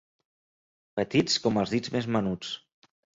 Petits com els dits més menuts.